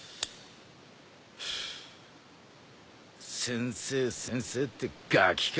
先生先生ってがきか？